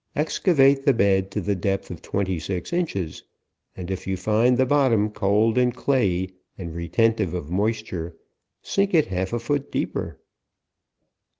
Excavate the bed to the depth of twenty six inches, and if you find the bottom cold and clayey, and reten tive of moisture, sink it half a foot deeper.